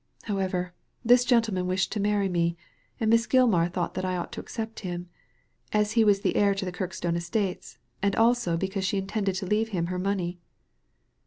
However, this gentleman wished to marry me, and Miss Gilmar thought that I ought to accept him, as he was the heir to the Kirkstone estates and also because she intended to leave him her money."